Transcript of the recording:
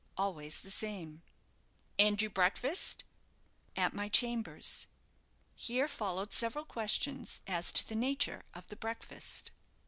"Always the same." "And you breakfast?" "At my chambers." Here followed several questions as to the nature of the breakfast.